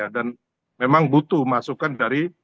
dan memang butuh masukan dari